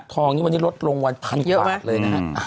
ทองนี้วันนี้ลดลงวันพันกว่าบาทเลยนะฮะ